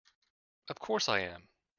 Of course I am!